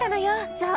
そう。